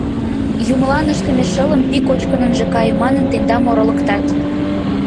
Юмылан ыштыме шылым пий кочкын ынже кае манын, тендам оролыктат.